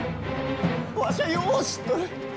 わしゃよう知っとる。